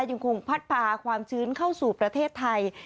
ยังคงพัดพาความชื้นเข้าสู่ประเทศไทย